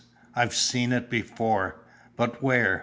I've seen it before but where?"